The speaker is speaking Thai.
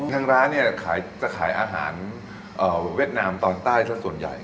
ทางร้านเนี่ยจะขายอาหารเวียดนามตอนใต้สักส่วนใหญ่